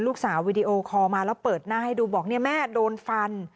วีดีโอคอลมาแล้วเปิดหน้าให้ดูบอกเนี่ยแม่โดนฟัน